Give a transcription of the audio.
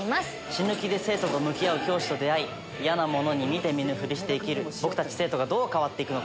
死ぬ気で生徒と向き合う教師と出会い嫌なものに見て見ぬふりして生きる生徒がどう変わるか。